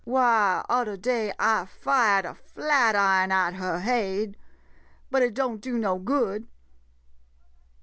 Why, udder day I fired a flatiron at her haid — but it don't do no good.